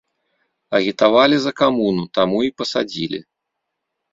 Агітавалі за камуну, таму і пасадзілі!